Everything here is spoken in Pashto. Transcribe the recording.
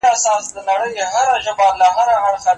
څوك به اخلي د پېړيو كساتونه